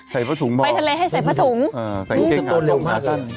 ใส่ประถุงบอกอืมสังเกตหาสงหาสั้นไปทะเลให้ใส่ประถุง